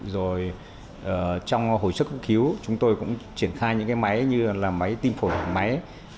rồi trong hồi sức cứu chúng tôi cũng triển khai những máy như là máy tim phổi hoặc máy